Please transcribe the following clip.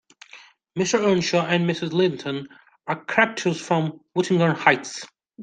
Mr Earnshaw and Mrs Linton are characters from Wuthering Heights